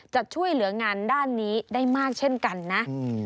จะช่วยเหลืองานด้านนี้ได้มากเช่นกันนะ